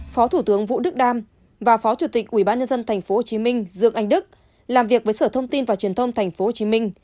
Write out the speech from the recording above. phó thủ tướng vũ đức đam và phó chủ tịch ubnd tp hcm dương anh đức làm việc với sở thông tin và truyền thông tp hcm